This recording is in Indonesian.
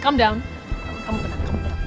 kamu tenang kamu tenang